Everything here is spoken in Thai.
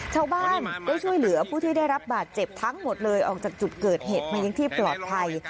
ชาวบ้านได้ช่วยเหลือผู้ที่ได้รับบาดเจ็บทั้งหมดเลยออกจากจุดเกิดเหตุมายังที่ปลอดภัย